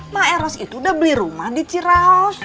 pak eros itu udah beli rumah di ciraus